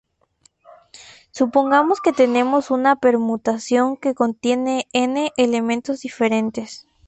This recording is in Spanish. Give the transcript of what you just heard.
Supongamos que tenemos una permutación que contiene N elementos diferentes.